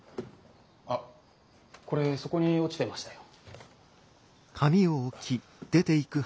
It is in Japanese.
あっこれそこに落ちてましたよ。